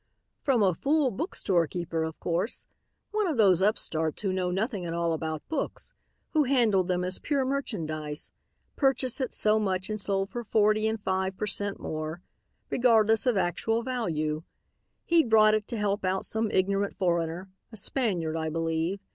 "From a fool bookstorekeeper of course; one of those upstarts who know nothing at all about books; who handle them as pure merchandise, purchased at so much and sold for forty and five per cent more, regardless of actual value. He'd bought it to help out some ignorant foreigner, a Spaniard I believe.